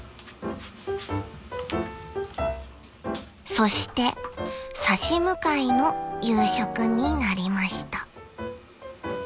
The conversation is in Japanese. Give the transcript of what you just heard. ［そして差し向かいの夕食になりました］